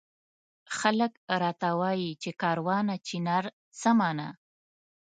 خلک راته وایي چي کاروانه چنار څه مانا؟